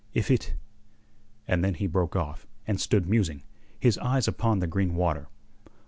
"If it...." And then he broke off, and stood musing, his eyes upon the green water.